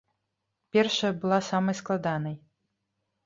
Першая была самай складанай.